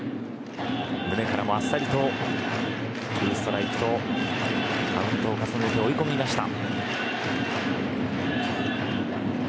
宗からもあっさりと２ストライクとカウントを重ねて追い込みました。